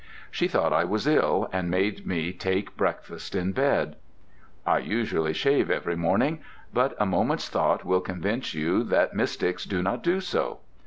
She thought I was ill, and made me take breakfast in bed. I usually shave every morning, but a moment's thought will convince you that mystics do not do so.